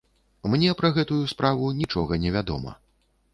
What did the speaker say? Мне пра гэтую справу нічога не вядома.